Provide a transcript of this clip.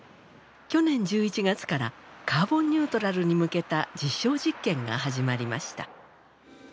去年１１月からカーボンニュートラルに向けた実証実験が始まりました。